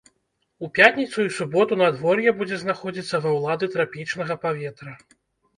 У пятніцу і суботу надвор'е будзе знаходзіцца ва ўлады трапічнага паветра.